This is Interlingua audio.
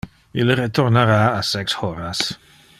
Ille retornara a sex horas.